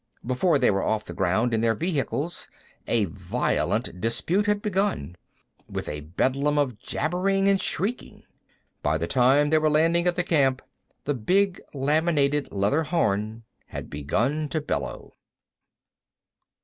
Before they were off the ground in their vehicles, a violent dispute had begun, with a bedlam of jabbering and shrieking. By the time they were landing at the camp, the big laminated leather horn had begun to bellow.